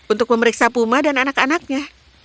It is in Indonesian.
untuk memeriksa puma dan anak anaknya